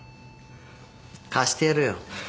貸してやるよ。